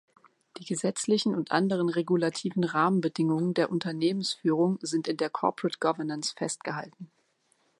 Die gesetzlichen und anderen regulativen Rahmenbedingungen der Unternehmensführung sind in der Corporate Governance festgehalten.